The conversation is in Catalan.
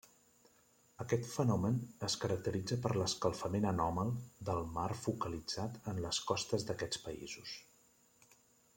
Aquest fenomen es caracteritza per l'escalfament anòmal del mar focalitzat en les costes d'aquests països.